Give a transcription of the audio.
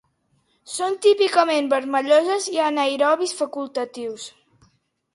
Són típicament vermelloses, i anaerobis facultatius.